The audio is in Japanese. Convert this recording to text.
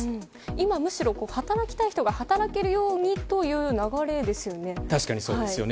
今むしろ働きたい人が働けるようにという流れですよね。